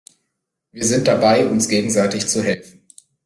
Wir sind dabei, uns gegenseitig zu helfen.